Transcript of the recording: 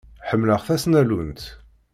Ḥemmleɣ tasnallunt.